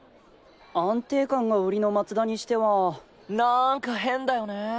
安定感が売りの松田にしては。なんかへんだよね。